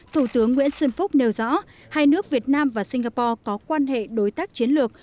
thủ tướng nguyễn xuân phúc nêu rõ hai nước việt nam và singapore có quan hệ đối tác chiến lược